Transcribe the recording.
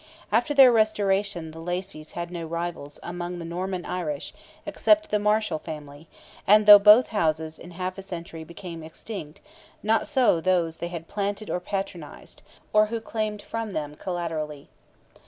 After their restoration the Lacys had no rivals among the Norman Irish except the Marshal family, and though both houses in half a century became extinct, not so those they had planted or patronized, or who claimed from them collaterally.